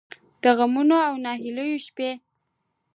د غمـونـو او نهـيليو شـپې